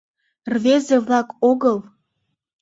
Рвезе-влак огыл!